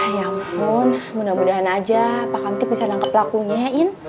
ya ampun mudah mudahan aja pak kamtip bisa nangkep lakunyain